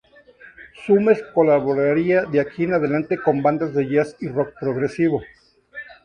Summers colaboraría de aquí en adelante con bandas de jazz y rock progresivo.